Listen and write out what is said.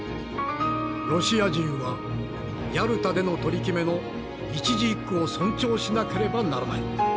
「ロシア人はヤルタでの取り決めの一字一句を尊重しなければならない。